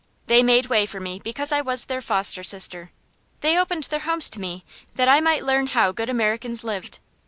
They made way for me because I was their foster sister. They opened their homes to me that I might learn how good Americans lived.